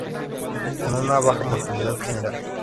Con una baja mortalidad general.